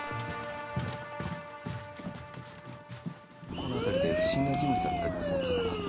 この辺りで不審な人物は見かけませんでしたか？